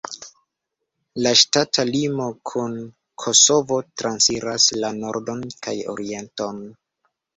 La ŝtata limo kun Kosovo transiras la nordon kaj orienton.